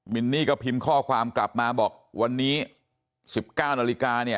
นี่ก็พิมพ์ข้อความกลับมาบอกวันนี้๑๙นาฬิกาเนี่ย